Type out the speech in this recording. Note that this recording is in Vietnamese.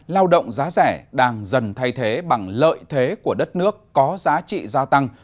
lao động giá rẻ đang dần thay thế bằng lợi thế của đất nước có giá trị gia tăng